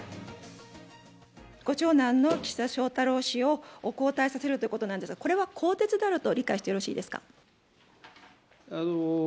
ご長男の岸田翔太郎氏を交代させるということなんですが、これは更迭であると理解してよろしいですか。